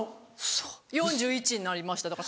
そう４１になりましただから。